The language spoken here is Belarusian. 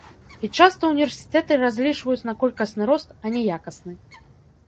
І часта ўніверсітэты разлічваюць на колькасны рост, а не якасны.